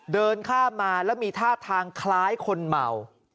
เดินข้ามมาแล้วมีท่าทางคล้ายคนเมา